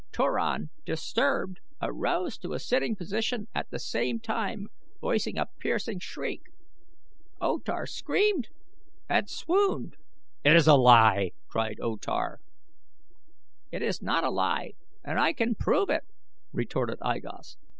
Turan, disturbed, arose to a sitting position at the same time voicing a piercing shriek. O Tar screamed and swooned." "It is a lie!" cried O Tar. "It is not a lie and I can prove it," retorted I Gos.